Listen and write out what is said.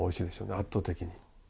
圧倒的に。